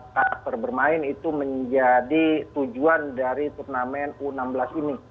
dan karakter bermain itu menjadi tujuan dari turnamen u enam belas ini